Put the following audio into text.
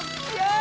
あ！